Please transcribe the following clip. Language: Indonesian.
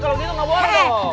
kalau gitu gak bohong dong